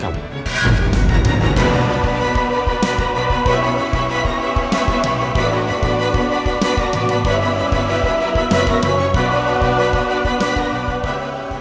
kamu nggak perlu meneruskan ucapan kamu